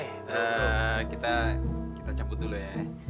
eee kita kita camput dulu ya